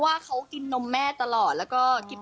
อย่างกินนมแม่อยู่ป่าครับ